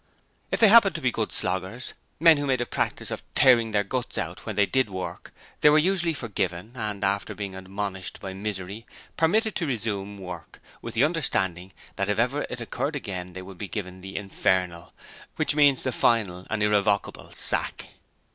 If they happened to be good 'sloggers' men who made a practice of 'tearing their guts out' when they did work they were usually forgiven, and after being admonished by Misery, permitted to resume work, with the understanding that if ever it occurred again they would get the 'infernal' which means the final and irrevocable sack.